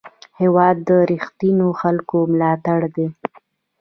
هېواد د رښتینو خلکو ملاتړی دی.